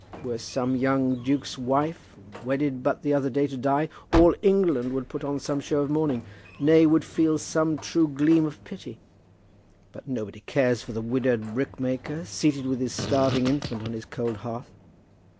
Were some young duke's wife, wedded but the other day, to die, all England would put on some show of mourning, nay, would feel some true gleam of pity; but nobody cares for the widowed brickmaker seated with his starving infant on his cold hearth."